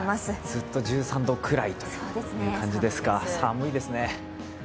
ずっと１３度くらいという感じですか、寒いですね。